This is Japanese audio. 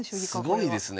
すごいですね。